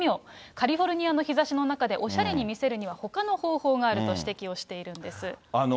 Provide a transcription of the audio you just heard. カリフォルニアの日ざしの中で、おしゃれに見せるには、ほかの方法があると指摘をしているんです。